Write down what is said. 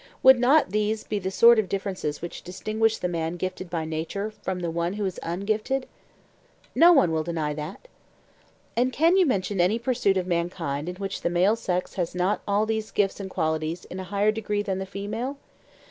—would not these be the sort of differences which distinguish the man gifted by nature from the one who is ungifted? No one will deny that. And can you mention any pursuit of mankind in which the male sex has not all these gifts and qualities in a higher degree than the female?